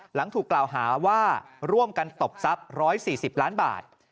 หลังถูกกล่าวหาว่าร่วมกันตบทรัพย์๑๔๐ล้านบาท